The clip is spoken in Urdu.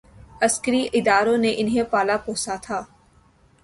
عسکری اداروں نے انہیں پالا پوسا تھا۔